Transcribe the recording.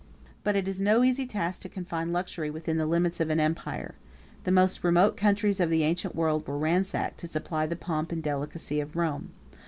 But it is no easy task to confine luxury within the limits of an empire. The most remote countries of the ancient world were ransacked to supply the pomp and delicacy of Rome.